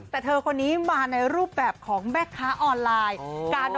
แต่เธอคนนี้มาในรูปแบบของแม่ค้าออนไลน์